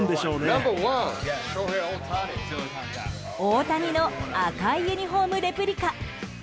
大谷の赤いユニホームレプリカ。